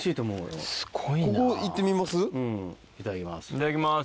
いただきます。